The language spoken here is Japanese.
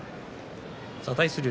対する